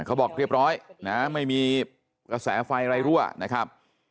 เขาบอกเรียบร้อยนะไม่มีกระแสไฟอะไรรั่วนะครับ